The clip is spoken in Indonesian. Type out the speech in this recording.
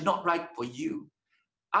dan mungkin mereka benar